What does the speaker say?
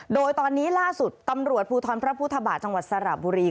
โดยตอนนี้ล่าสุดตำรวจภูทรพระพุทธบาทจังหวัดสระบุรี